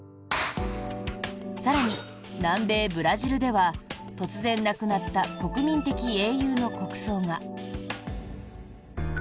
更に、南米ブラジルでは突然亡くなった国民的英雄の国葬が。